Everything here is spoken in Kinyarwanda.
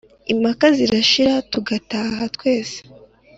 impaka zirashira tugataha twese